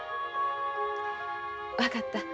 分かった。